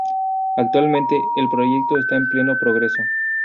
Actualmente el proyecto esta en pleno progreso.